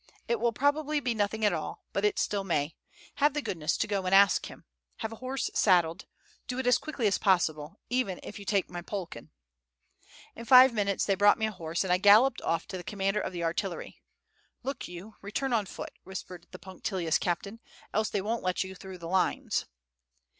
It will probably be nothing at all, but still it may. Have the goodness to go and ask him. Have a horse saddled. Do it as quickly as possible, even if you take my Polkan." In five minutes they brought me a horse, and I galloped off to the commander of the artillery. "Look you, return on foot," whispered the punctilious captain, "else they won't let you through the lines."